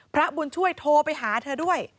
พระบุญช่วยโทรไปหาเธอด้วย